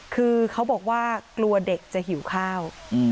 คือเขาบอกว่ากลัวเด็กจะหิวข้าว